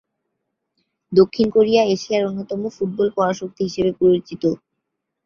দক্ষিণ কোরিয়া এশিয়ার অন্যতম ফুটবল পরাশক্তি হিসেবে বিবেচিত।